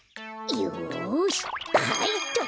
よしはいっとそれ。